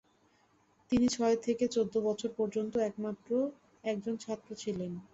তিনি ছয় থেকে চোদ্দো বছর পর্যন্ত একজন ছাত্র ছিলেন।